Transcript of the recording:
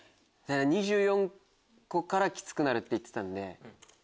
２４個からキツくなるって言ってたんで。